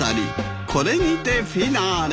これにてフィナーレ。